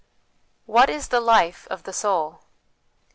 What is the Life of the Soul?